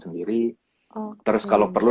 sendiri terus kalo perlu